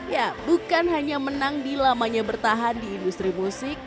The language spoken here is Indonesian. ya bukan hanya menang di lamanya bertahan di industri musik